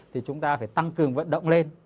thì chúng ta phải tăng cường vận động lên